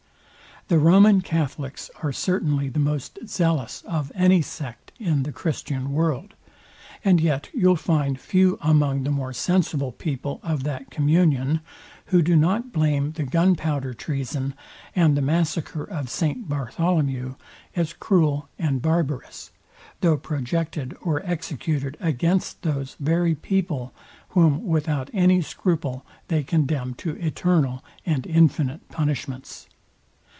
The Roman Catholicks are certainly the most zealous of any sect in the Christian world; and yet you'll find few among the more sensible people of that communion who do not blame the Gunpowder treason, and the massacre of St. Bartholomew, as cruel and barbarous, though projected or executed against those very people, whom without any scruple they condemn to eternal and infinite punishments.